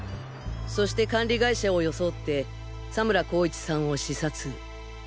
そして管理会社を装って佐村功一さんを刺殺。